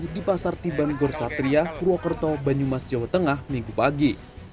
di pasar tiban gorsatria purwokerto banyumas jawa tengah minggu pagi